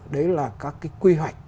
đấy là các cái quy hoạch